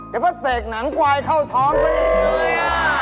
กระปะเศษหนังกวายข้าวทองไป